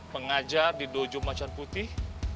pengajar di dojung macan putih